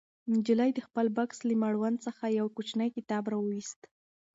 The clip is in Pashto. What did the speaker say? نجلۍ د خپل بکس له مړوند څخه یو کوچنی کتاب راوویست.